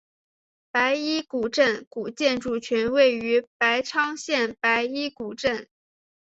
白衣古镇古建筑群位于平昌县白衣古镇。